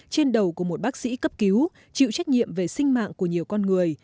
trên đầu của một bác sĩ cấp cứu chịu trách nhiệm về sinh mạng của nhiều con người